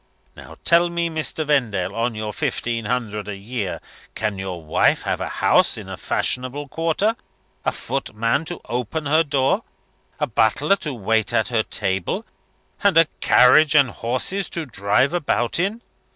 Now, tell me, Mr. Vendale, on your fifteen hundred a year can your wife have a house in a fashionable quarter, a footman to open her door, a butler to wait at her table, and a carriage and horses to drive about in?